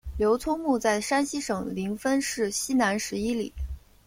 刘聪墓在山西省临汾市西南十一里。